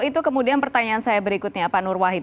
itu kemudian pertanyaan saya berikutnya pak nur wahid